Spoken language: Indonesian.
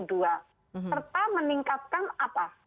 serta meningkatkan apa